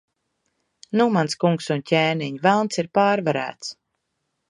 Nu, mans kungs un ķēniņ, Velns ir pārvarēts.